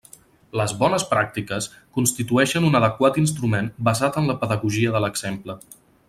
Les «bones pràctiques» constituïxen un adequat instrument basat en la pedagogia de l'exemple.